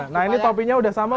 nah ini topinya udah sama